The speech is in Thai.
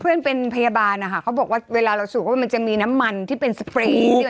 เพื่อนเป็นพยาบาลนะคะเขาบอกว่าเวลาเราสูบว่ามันจะมีน้ำมันที่เป็นสเปรย์